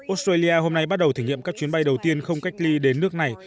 australia hôm nay bắt đầu thử nghiệm các chuyến bay đầu tiên không cách ly đến nước này